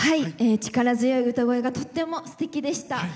力強い歌声がとってもすてきでした。